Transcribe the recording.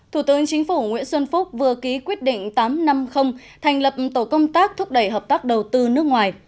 thủ tướng chính phủ nguyễn xuân phúc vừa ký quyết định tám trăm năm mươi thành lập tổ công tác thúc đẩy hợp tác đầu tư nước ngoài